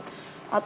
atau ada apa apa